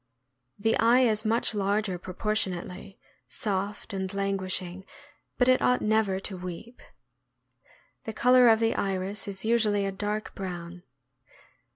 The eye is much larger proportionately, soft and languishing; but it ought never to weep. The color of the iris is usually a dark brown.